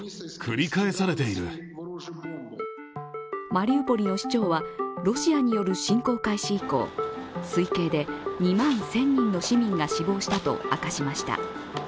マリウポリの市長はロシアによる侵攻開始以降、推計で２万１０００人の市民が死亡したと明かしました。